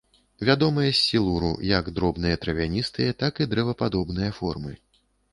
Вядомыя з сілуру, як дробныя травяністыя, так і дрэвападобныя формы.